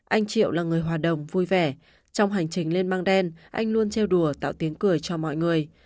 anh triệu là người hòa đồng vui vẻ trong hành trình lên măng đen anh luôn treo đùa tạo tiếng cười cho mọi người